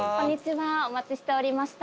お待ちしておりました。